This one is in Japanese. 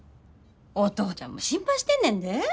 お父ちゃんも心配してんねんで。